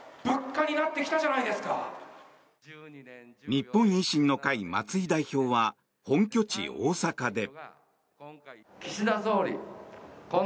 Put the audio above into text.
日本維新の会、松井代表は本拠地・大阪で。